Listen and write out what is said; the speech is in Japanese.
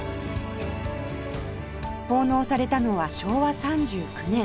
奉納されたのは昭和３９年